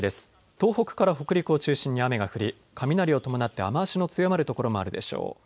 東北から北陸を中心に雨が降り雷を伴って雨足の強まる所もあるでしょう。